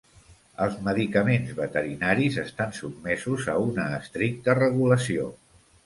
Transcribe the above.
Els medicaments veterinaris estan sotmesos a una estricta regulació.